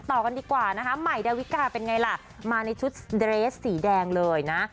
ต่อกันดีกว่านะคะใหม่ดาวิกาเป็นไงล่ะมาในชุดเดรสสีแดงเลยนะ